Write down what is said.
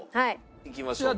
いきましょうか。